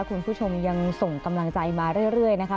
คุณผู้ชมยังส่งกำลังใจมาเรื่อยนะคะ